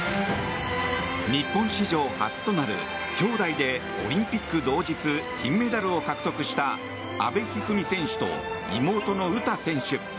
日本史上初となる兄妹でオリンピック同日金メダルを獲得した阿部一二三選手と妹の詩選手。